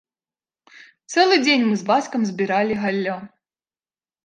Цэлы дзень мы з бацькам збіралі галлё.